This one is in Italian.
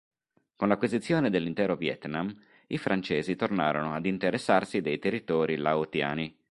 Con l'acquisizione dell'intero Vietnam, i francesi tornarono ad interessarsi dei territori laotiani.